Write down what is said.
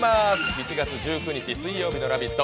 ７月１９日水曜日の「ラヴィット！」